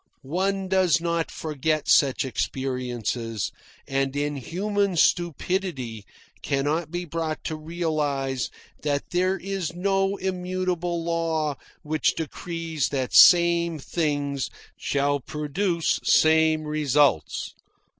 One does not forget such experiences, and, in human stupidity, cannot be brought to realise that there is no immutable law which decrees that same things shall produce same results.